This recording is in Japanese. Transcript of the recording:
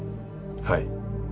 はい。